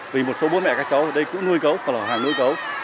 vì một số bố mẹ các cháu ở đây cũng nuôi cấu còn là hàng nuôi cấu